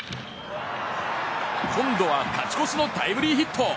今度は勝ち越しのタイムリーヒット。